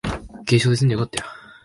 軽傷ですんでよかったよ